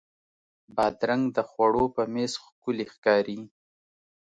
بادرنګ د خوړو په میز ښکلی ښکاري.